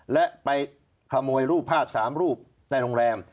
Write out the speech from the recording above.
และไปขโมยรูปภาพ๓รูปในโรงแรม